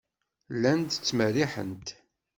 Llant ttmerriḥent.